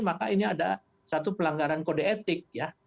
maka ini ada satu pelanggaran kode etik ya